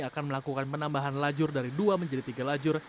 akan melakukan penambahan lajur dari dua menjadi tiga lajur